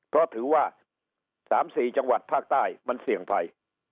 เพราะถือว่า๓๔จังหวัดภาคใต้มันเสี่ยงภัย